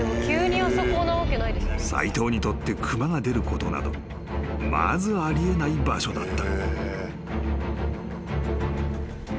［斎藤にとって熊が出ることなどまずあり得ない場所だった］